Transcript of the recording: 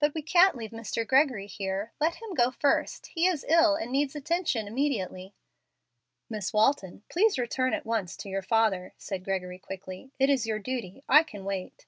"But we can't leave Mr. Gregory here. Let him go first. He is ill, and needs attention immediately." "Miss Walton, please return at once to your father," said Gregory, quickly. "It is your duty. I can wait."